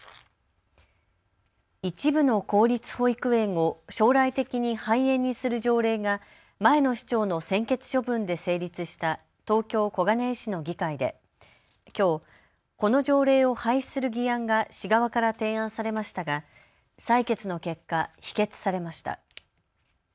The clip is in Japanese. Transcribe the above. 一部の公立保育園を将来的に廃園にする条例が前の市長の専決処分で成立した東京小金井市の議会で、きょう、この条例を廃止する議案が市側から提案されましたが採決の結果、否決されました。